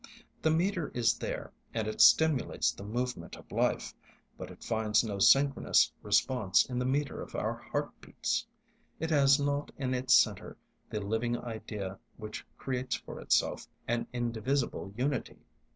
The metre is there, and it simulates the movement of life. But it finds no synchronous response in the metre of our heart beats; it has not in its centre the living idea which creates for itself an indivisible unity.